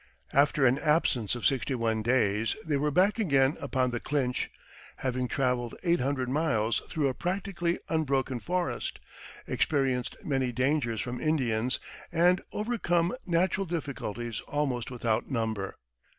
After an absence of sixty one days they were back again upon the Clinch, having traveled eight hundred miles through a practically unbroken forest, experienced many dangers from Indians, and overcome natural difficulties almost without number.